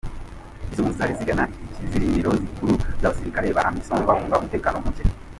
Izo mpunzi zaje zigana ikirindiro gikuru c'abasirikare ba Amisom bahunga umutekano muke.